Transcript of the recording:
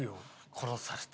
殺された。